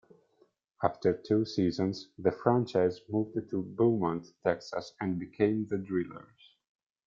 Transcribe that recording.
After two seasons, the franchise moved to Beaumont, Texas, and became the Drillers.